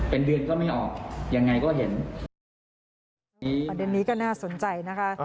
เป็นเดือนก็ไม่ออกยังไงก็เห็นประเด็นนี้ก็น่าสนใจนะคะ